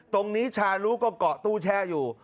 ตรงนี้ชาลุก็เกาะตู้แช่อยู่